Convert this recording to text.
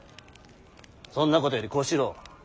そんなことより小四郎。